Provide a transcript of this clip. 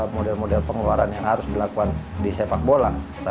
model model pengeluaran yang harus dilakukan di sepak bola